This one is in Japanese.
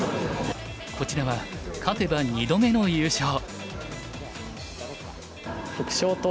こちらは勝てば２度目の優勝。